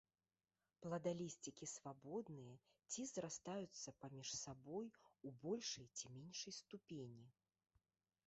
Пладалісцікі свабодныя ці зрастаюцца паміж сабой у большай ці меншай ступені.